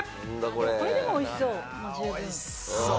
これもおいしそう、十分。